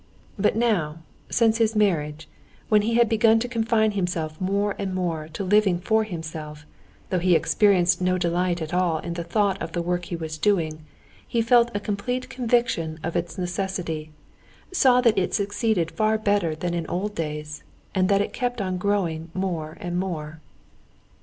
But now, since his marriage, when he had begun to confine himself more and more to living for himself, though he experienced no delight at all at the thought of the work he was doing, he felt a complete conviction of its necessity, saw that it succeeded far better than in old days, and that it kept on growing more and more.